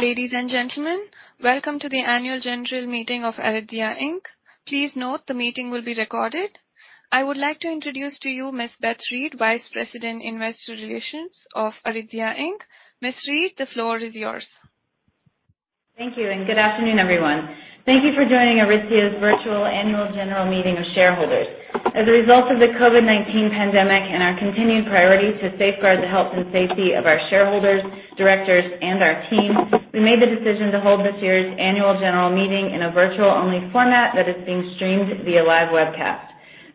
Ladies and gentlemen, welcome to the annual general meeting of Aritzia Inc. Please note the meeting will be recorded. I would like to introduce to you Ms. Beth Reed, Vice President, Investor Relations of Aritzia Inc. Ms. Reed, the floor is yours. Thank you, and good afternoon, everyone. Thank you for joining Aritzia's virtual annual general meeting of shareholders. As a result of the COVID-19 pandemic and our continuing priority to safeguard the health and safety of our shareholders, directors, and our team, we made the decision to hold this year's annual general meeting in a virtual-only format that is being streamed via live webcast.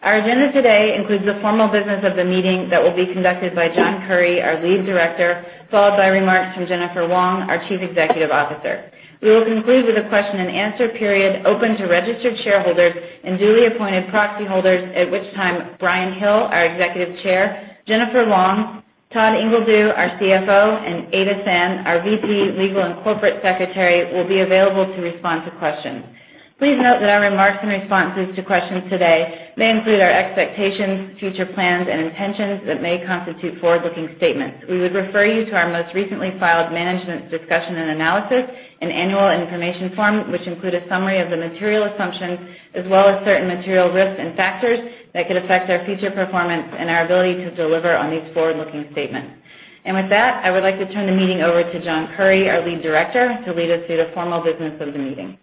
Our agenda today includes the formal business of the meeting that will be conducted by John Currie, our Lead Director, followed by remarks from Jennifer Wong, our Chief Executive Officer. We will conclude with a question and answer period open to registered shareholders and duly appointed proxy holders, at which time Brian Hill, our Executive Chair, Jennifer Wong, Todd Ingledew, our CFO, and Ada San, our VP, Legal and Corporate Secretary, will be available to respond to questions. Please note that our remarks and responses to questions today may include our expectations, future plans and intentions that may constitute forward-looking statements. We would refer you to our most recently filed management discussion and analysis and annual information form, which include a summary of the material assumptions as well as certain material risks and factors that could affect our future performance and our ability to deliver on these forward-looking statements. With that, I would like to turn the meeting over to John E. Currie, our Lead Director, to lead us through the formal business of the meeting.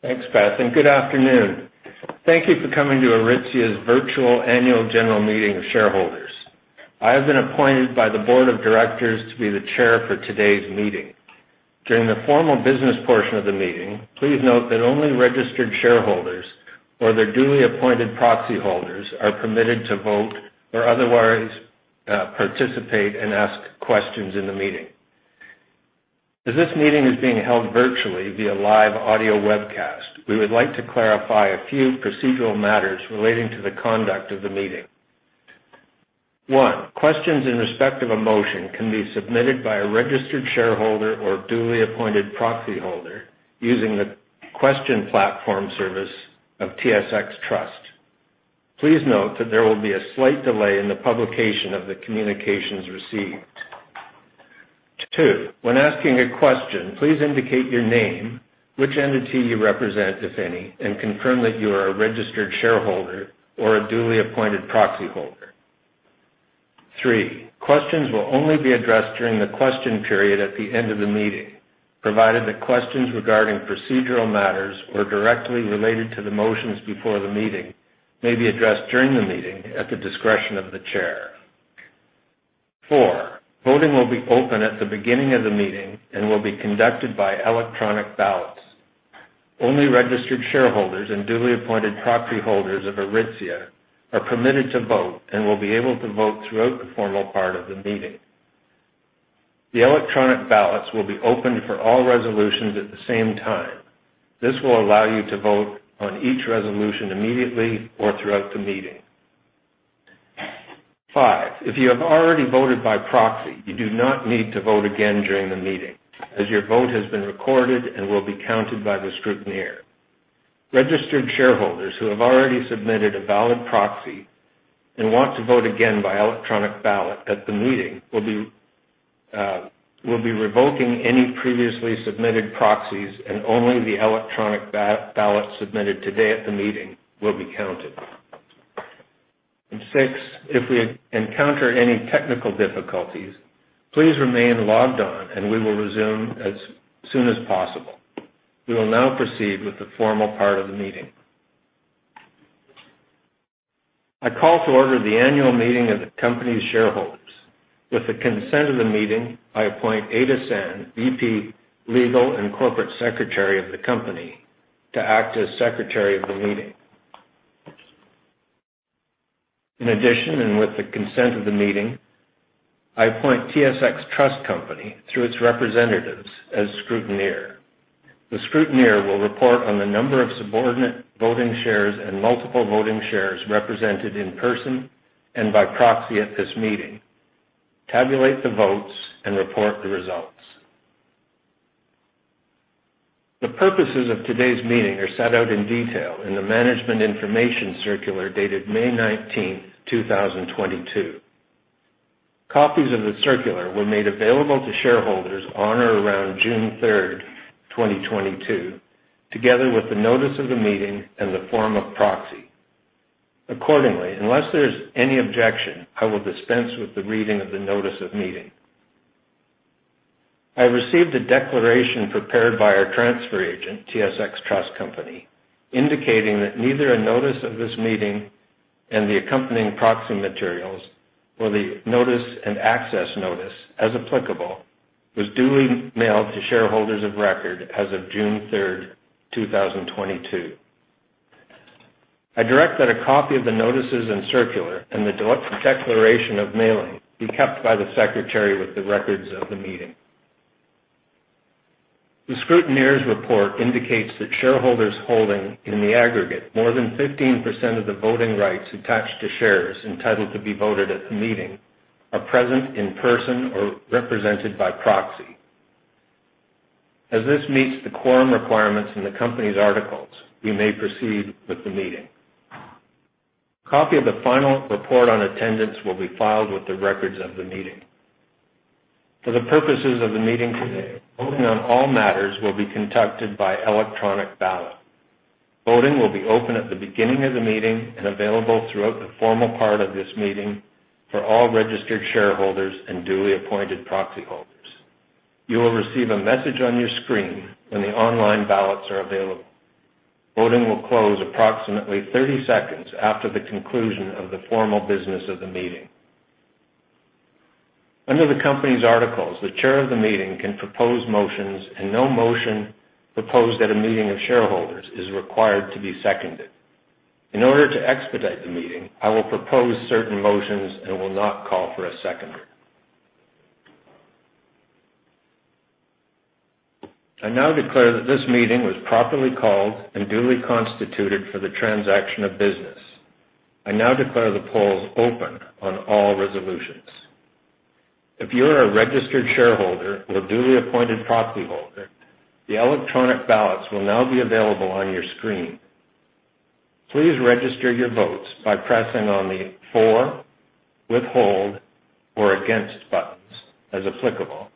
Thanks, Beth, and good afternoon. Thank you for coming to Aritzia's virtual annual general meeting of shareholders. I have been appointed by the board of directors to be the chair for today's meeting. During the formal business portion of the meeting, please note that only registered shareholders or their duly appointed proxy holders are permitted to vote or otherwise, participate and ask questions in the meeting. As this meeting is being held virtually via live audio webcast, we would like to clarify a few procedural matters relating to the conduct of the meeting. One, questions in respect of a motion can be submitted by a registered shareholder or duly appointed proxy holder using the question platform service of TSX Trust. Please note that there will be a slight delay in the publication of the communications received. two, when asking a question, please indicate your name, which entity you represent, if any, and confirm that you are a registered shareholder or a duly appointed proxy holder. Three, questions will only be addressed during the question period at the end of the meeting, provided that questions regarding procedural matters or directly related to the motions before the meeting may be addressed during the meeting at the discretion of the chair. Four, voting will be open at the beginning of the meeting and will be conducted by electronic ballots. Only registered shareholders and duly appointed proxy holders of Aritzia are permitted to vote and will be able to vote throughout the formal part of the meeting. The electronic ballots will be open for all resolutions at the same time. This will allow you to vote on each resolution immediately or throughout the meeting. Five, if you have already voted by proxy, you do not need to vote again during the meeting as your vote has been recorded and will be counted by the scrutineer. Registered shareholders who have already submitted a valid proxy and want to vote again by electronic ballot at the meeting will be, will be revoking any previously submitted proxies, and only the electronic ballot submitted today at the meeting will be counted. Six, if we encounter any technical difficulties, please remain logged on, and we will resume as soon as possible. We will now proceed with the formal part of the meeting. I call to order the annual meeting of the company's shareholders. With the consent of the meeting, I appoint Ada San, VP, Legal and Corporate Secretary of the company, to act as Secretary of the meeting. In addition, and with the consent of the meeting, I appoint TSX Trust Company through its representatives as scrutineer. The scrutineer will report on the number of subordinate voting shares and multiple voting shares represented in person and by proxy at this meeting, tabulate the votes and report the results. The purposes of today's meeting are set out in detail in the management information circular dated May nineteenth, 2022. Copies of the circular were made available to shareholders on or around June third, 2022, together with the notice of the meeting and the form of proxy. Accordingly, unless there's any objection, I will dispense with the reading of the notice of meeting. I received a declaration prepared by our transfer agent, TSX Trust Company, indicating that neither a notice of this meeting and the accompanying proxy materials or the notice and access notice, as applicable, was duly mailed to shareholders of record as of June third, two thousand twenty-two. I direct that a copy of the notices and circular and the declaration of mailing be kept by the secretary with the records of the meeting. The scrutineer's report indicates that shareholders holding, in the aggregate, more than 15% of the voting rights attached to shares entitled to be voted at the meeting are present in person or represented by proxy. This meets the quorum requirements in the company's articles, so we may proceed with the meeting. Copy of the final report on attendance will be filed with the records of the meeting. For the purposes of the meeting today, voting on all matters will be conducted by electronic ballot. Voting will be open at the beginning of the meeting and available throughout the formal part of this meeting for all registered shareholders and duly appointed proxy holders. You will receive a message on your screen when the online ballots are available. Voting will close approximately 30 seconds after the conclusion of the formal business of the meeting. Under the company's articles, the chair of the meeting can propose motions, and no motion proposed at a meeting of shareholders is required to be seconded. In order to expedite the meeting, I will propose certain motions and will not call for a seconder. I now declare that this meeting was properly called and duly constituted for the transaction of business. I now declare the polls open on all resolutions. If you are a registered shareholder or duly appointed proxy holder, the electronic ballots will now be available on your screen. Please register your votes by pressing on the for, withhold, or against buttons, as applicable,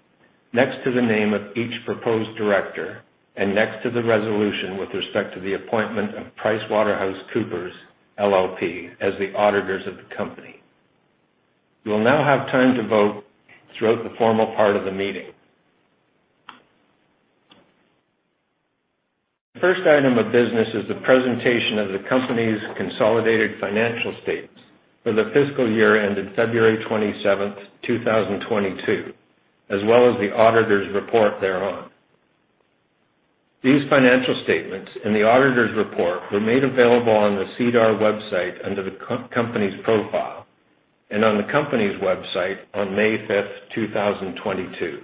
next to the name of each proposed director and next to the resolution with respect to the appointment of PricewaterhouseCoopers LLP as the auditors of the company. You will now have time to vote throughout the formal part of the meeting. The first item of business is the presentation of the company's consolidated financial statements for the fiscal year ended February 27th, 2022, as well as the auditor's report thereon. These financial statements and the auditor's report were made available on the SEDAR website under the company's profile and on the company's website on May 5th, 2022.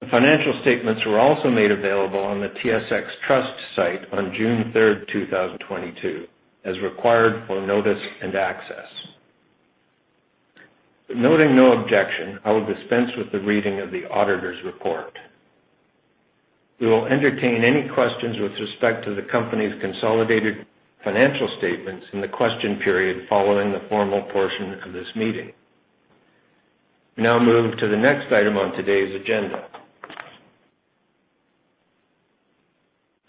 The financial statements were also made available on the TSX Trust site on June third, 2022, as required for notice and access. Noting no objection, I will dispense with the reading of the auditor's report. We will entertain any questions with respect to the company's consolidated financial statements in the question period following the formal portion of this meeting. We now move to the next item on today's agenda.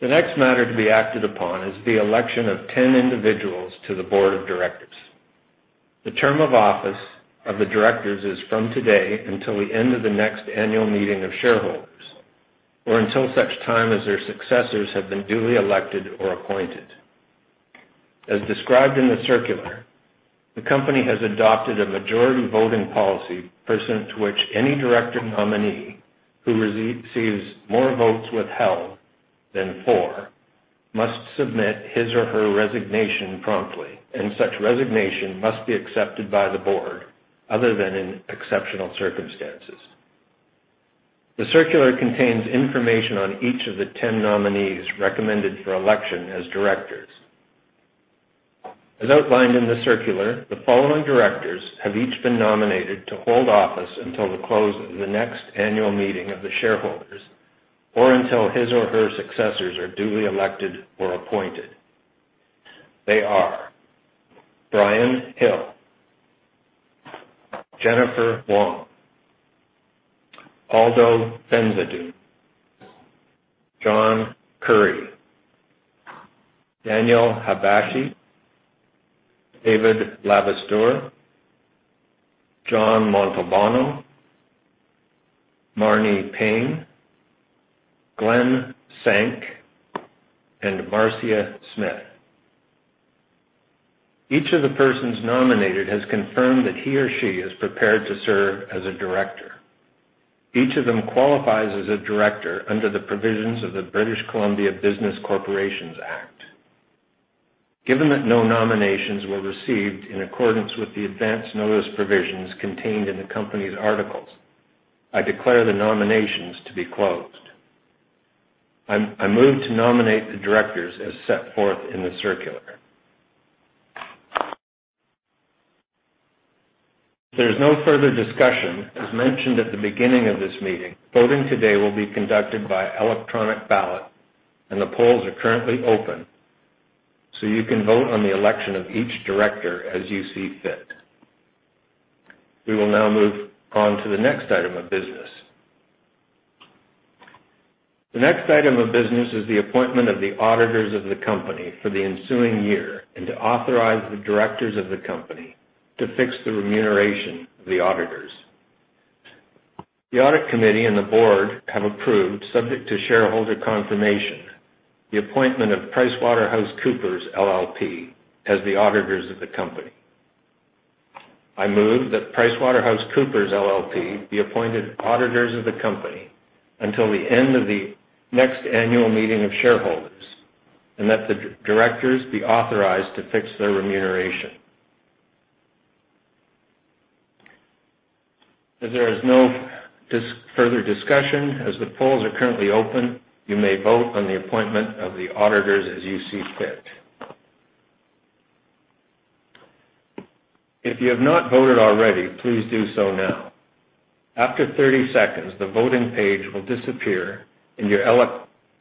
The next matter to be acted upon is the election of 10 individuals to the board of directors. The term of office of the directors is from today until the end of the next annual meeting of shareholders or until such time as their successors have been duly elected or appointed. As described in the circular, the company has adopted a majority voting policy pursuant to which any director nominee who receives more votes withheld than for must submit his or her resignation promptly, and such resignation must be accepted by the board other than in exceptional circumstances. The circular contains information on each of the 10 nominees recommended for election as directors. As outlined in the circular, the following directors have each been nominated to hold office until the close of the next annual meeting of the shareholders or until his or her successors are duly elected or appointed. They are Brian Hill, Jennifer Wong, Aldo Bensadoun, John E. Currie, Daniel Habashi, David Labistour, John Montalbano, Marni Payne, Glen Senk, and Marcia Smith. Each of the persons nominated has confirmed that he or she is prepared to serve as a director. Each of them qualifies as a director under the provisions of the British Columbia Business Corporations Act. Given that no nominations were received in accordance with the advance notice provisions contained in the company's articles, I declare the nominations to be closed. I move to nominate the directors as set forth in the circular. If there's no further discussion, as mentioned at the beginning of this meeting, voting today will be conducted by electronic ballot, and the polls are currently open, so you can vote on the election of each director as you see fit. We will now move on to the next item of business. The next item of business is the appointment of the auditors of the company for the ensuing year and to authorize the directors of the company to fix the remuneration of the auditors. The audit committee and the board have approved, subject to shareholder confirmation, the appointment of PricewaterhouseCoopers LLP as the auditors of the company. I move that PricewaterhouseCoopers LLP be appointed auditors of the company until the end of the next annual meeting of shareholders, and that the directors be authorized to fix their remuneration. As there is no further discussion, as the polls are currently open, you may vote on the appointment of the auditors as you see fit. If you have not voted already, please do so now. After 30 seconds, the voting page will disappear and your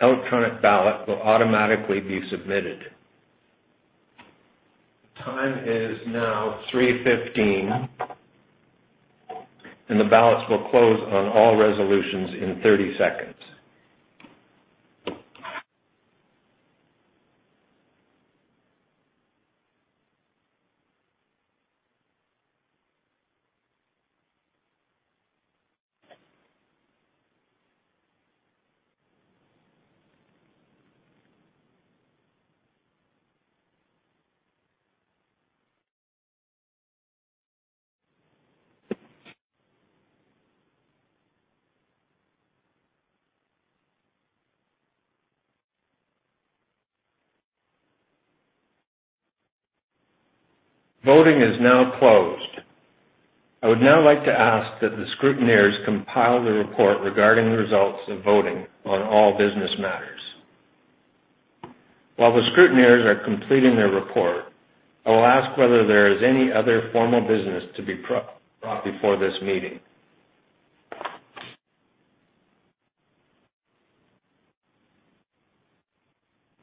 electronic ballot will automatically be submitted. Time is now 3:15 P.M., and the ballots will close on all resolutions in 30 seconds. Voting is now closed. I would now like to ask that the scrutineers compile the report regarding the results of voting on all business matters. While the scrutineers are completing their report, I will ask whether there is any other formal business to be brought before this meeting.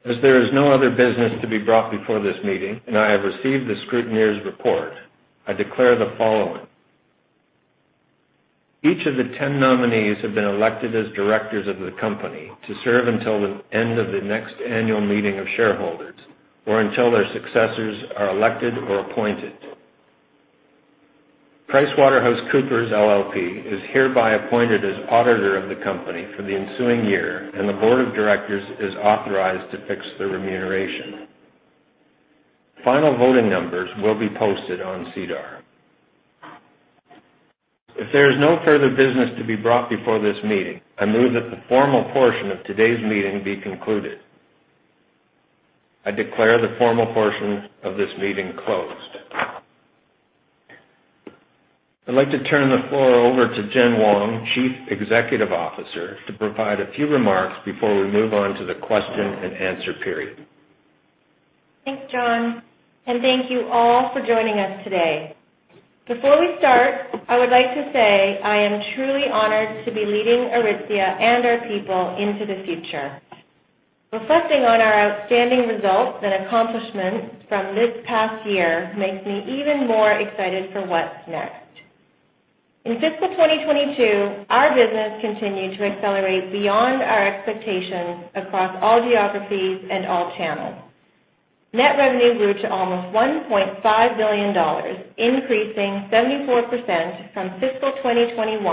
As there is no other business to be brought before this meeting, and I have received the scrutineers' report, I declare the following. Each of the 10 nominees have been elected as directors of the company to serve until the end of the next annual meeting of shareholders or until their successors are elected or appointed. PricewaterhouseCoopers LLP is hereby appointed as auditor of the company for the ensuing year, and the board of directors is authorized to fix their remuneration. Final voting numbers will be posted on SEDAR. If there is no further business to be brought before this meeting, I move that the formal portion of today's meeting be concluded. I declare the formal portion of this meeting closed. I'd like to turn the floor over to Jennifer Wong, Chief Executive Officer, to provide a few remarks before we move on to the question and answer period. Thanks, John, and thank you all for joining us today. Before we start, I would like to say I am truly honored to be leading Aritzia and our people into the future. Reflecting on our outstanding results and accomplishments from this past year makes me even more excited for what's next. In fiscal 2022, our business continued to accelerate beyond our expectations across all geographies and all channels. Net revenue grew to almost 1.5 billion dollars, increasing 74% from fiscal 2021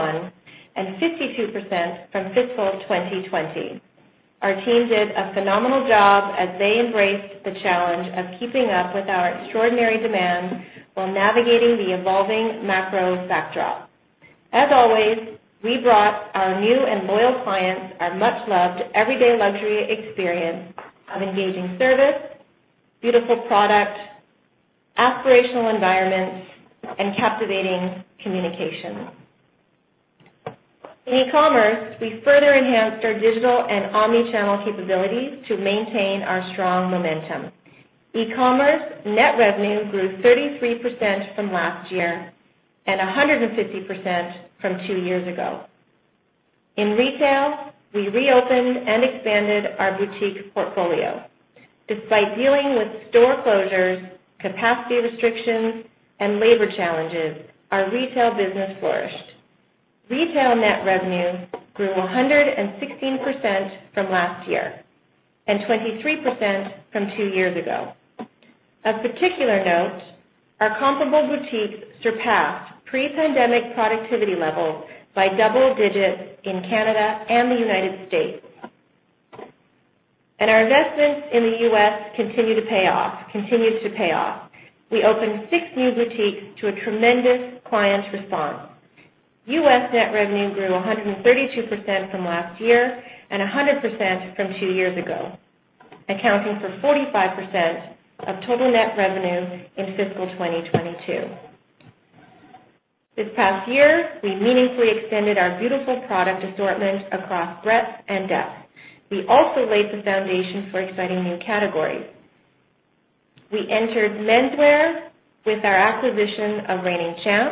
and 52% from fiscal 2020. Our team did a phenomenal job as they embraced the challenge of keeping up with our extraordinary demands while navigating the evolving macro backdrop. As always, we brought our new and loyal clients our much-loved everyday luxury experience of engaging service, beautiful product, aspirational environments, and captivating communication. In e-commerce, we further enhanced our digital and omni-channel capabilities to maintain our strong momentum. E-commerce net revenue grew 33% from last year and 150% from two years ago. In retail, we reopened and expanded our boutique portfolio. Despite dealing with store closures, capacity restrictions, and labor challenges, our retail business flourished. Retail net revenue grew 116% from last year and 23% from two years ago. Of particular note, our comparable boutiques surpassed pre-pandemic productivity levels by double digits in Canada and the United States. Our investments in the U.S. continue to pay off. We opened 6 new boutiques to a tremendous client response. U.S. net revenue grew 132% from last year and 100% from two years ago, accounting for 45% of total net revenue in fiscal 2022. This past year, we meaningfully extended our beautiful product assortment across breadth and depth. We also laid the foundation for exciting new categories. We entered menswear with our acquisition of Reigning Champ,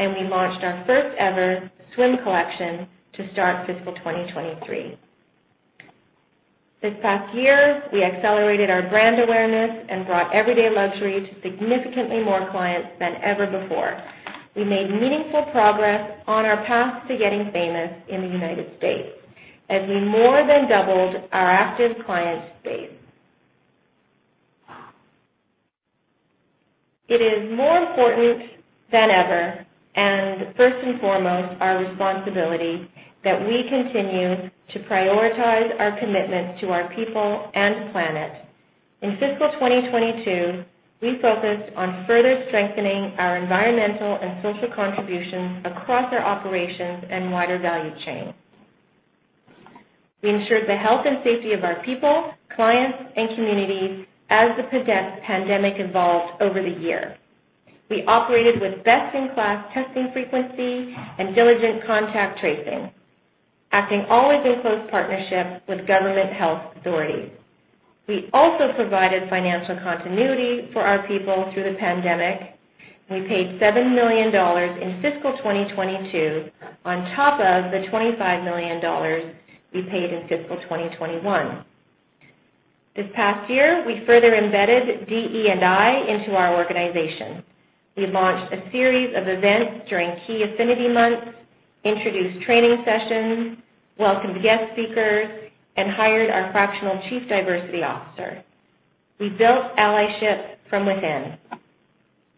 and we launched our first ever swim collection to start fiscal 2023. This past year, we accelerated our brand awareness and brought everyday luxury to significantly more clients than ever before. We made meaningful progress on our path to getting famous in the United States as we more than doubled our active client space. It is more important than ever, and first and foremost our responsibility, that we continue to prioritize our commitment to our people and planet. In fiscal 2022, we focused on further strengthening our environmental and social contributions across our operations and wider value chain. We ensured the health and safety of our people, clients, and communities as the pandemic evolved over the year. We operated with best-in-class testing frequency and diligent contact tracing, acting always in close partnership with government health authorities. We also provided financial continuity for our people through the pandemic, and we paid 7 million dollars in fiscal 2022 on top of the 25 million dollars we paid in fiscal 2021. This past year, we further embedded DE&I into our organization. We launched a series of events during key affinity months, introduced training sessions, welcomed guest speakers, and hired our fractional chief diversity officer. We built allyship from within.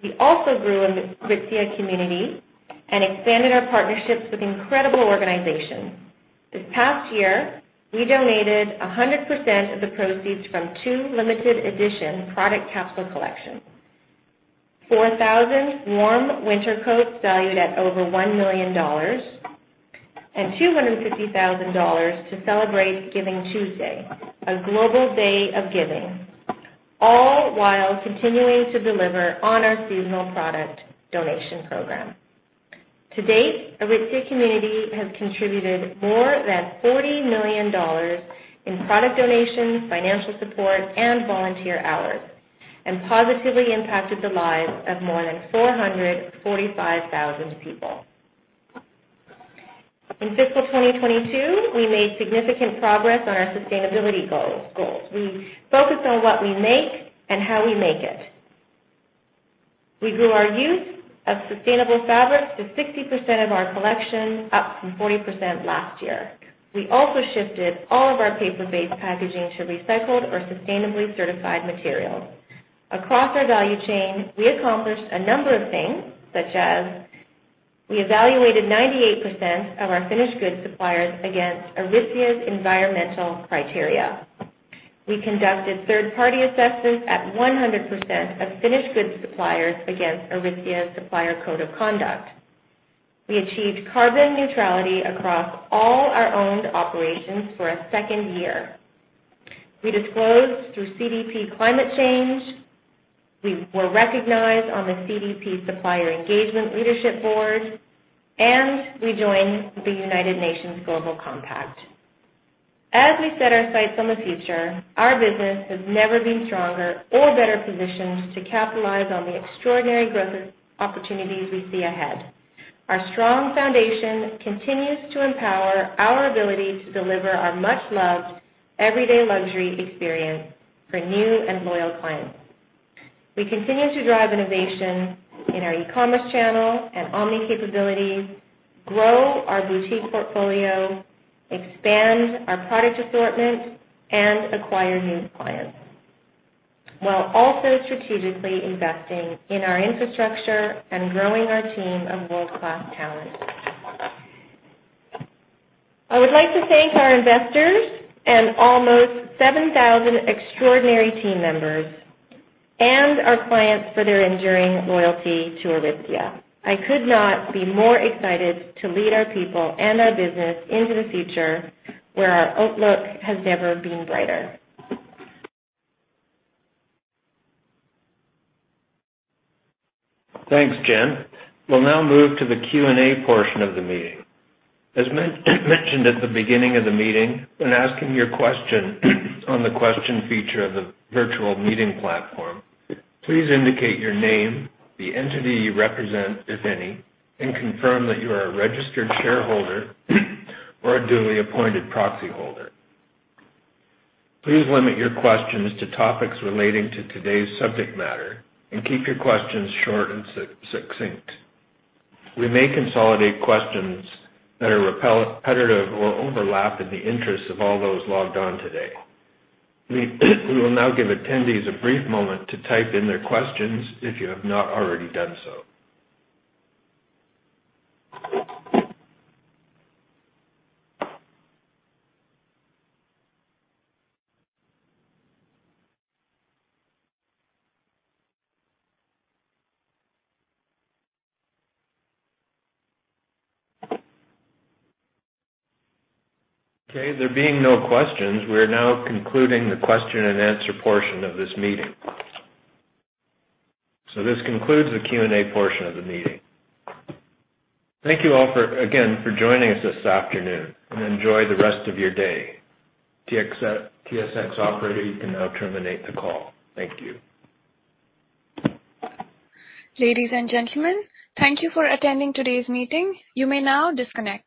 We also grew in the Aritzia Community and expanded our partnerships with incredible organizations. This past year, we donated 100% of the proceeds from two limited edition product capsule collections, 4,000 warm winter coats valued at over 1 million dollars, and 250,000 dollars to celebrate GivingTuesday, a global day of giving, all while continuing to deliver on our seasonal product donation program. To date, Aritzia Community has contributed more than 40 million dollars in product donations, financial support, and volunteer hours, and positively impacted the lives of more than 445,000 people. In fiscal 2022, we made significant progress on our sustainability goals. We focused on what we make and how we make it. We grew our use of sustainable fabrics to 60% of our collection, up from 40% last year. We also shifted all of our paper-based packaging to recycled or sustainably certified materials. Across our value chain, we accomplished a number of things, such as we evaluated 98% of our finished goods suppliers against Aritzia's environmental criteria. We conducted third-party assessments at 100% of finished goods suppliers against Aritzia's supplier code of conduct. We achieved carbon neutrality across all our owned operations for a second year. We disclosed through CDP climate change. We were recognized on the CDP Supplier Engagement Leaderboard, and we joined the United Nations Global Compact. As we set our sights on the future, our business has never been stronger or better positioned to capitalize on the extraordinary growth opportunities we see ahead. Our strong foundation continues to empower our ability to deliver our much-loved, everyday luxury experience for new and loyal clients. We continue to drive innovation in our e-commerce channel and omni capability, grow our boutique portfolio, expand our product assortment, and acquire new clients, while also strategically investing in our infrastructure and growing our team of world-class talent. I would like to thank our investors and almost 7,000 extraordinary team members and our clients for their enduring loyalty to Aritzia. I could not be more excited to lead our people and our business into the future where our outlook has never been brighter. Thanks, Jen. We'll now move to the Q&A portion of the meeting. As mentioned at the beginning of the meeting, when asking your question on the question feature of the virtual meeting platform, please indicate your name, the entity you represent, if any, and confirm that you are a registered shareholder or a duly appointed proxyholder. Please limit your questions to topics relating to today's subject matter and keep your questions short and succinct. We may consolidate questions that are repetitive or overlap in the interests of all those logged on today. We will now give attendees a brief moment to type in their questions if you have not already done so. Okay, there being no questions, we are now concluding the question and answer portion of this meeting. This concludes the Q&A portion of the meeting. Thank you all again for joining us this afternoon, and enjoy the rest of your day. TSX operator, you can now terminate the call. Thank you. Ladies and gentlemen, thank you for attending today's meeting. You may now disconnect.